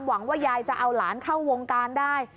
หวังว่ายายจะเอาหลานเข้าวงการได้